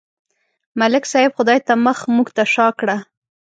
ملک صاحب خدای ته مخ، موږ ته شا کړه.